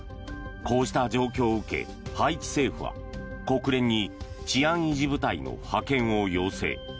こうした状況を受けハイチ政府は国連に治安維持部隊の派遣を要請。